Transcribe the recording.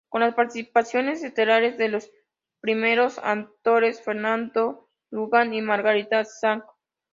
Con las participaciones estelares de los primeros actores Fernando Luján y Margarita Sanz.